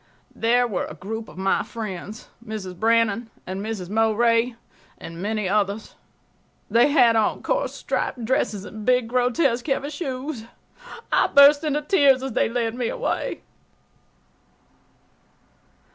There were a group of my friends, Mrs. Brannan and Mrs. Morey and many others. They had on coarse striped dresses and big, grotesque, heavy shoes. I burst into tears as they led me away.